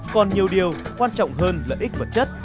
còn nhiều điều quan trọng hơn lợi ích vật chất